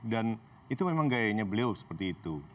dan itu memang gayanya beliau seperti itu